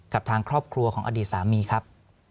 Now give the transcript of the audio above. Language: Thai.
กับทางครอบครัวของอดีตสามีครับ